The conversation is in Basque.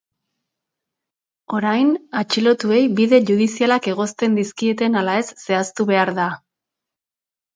Orain, atxilotuei bide judizialak egozten dizkieten ala ez zehaztu behar da.